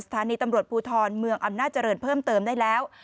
สถานีตำรวจภูทรเมืองอำนาจเจริญเพิ่มเติมได้แล้ว